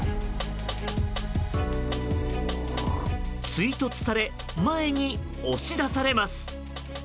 追突され、前に押し出されます。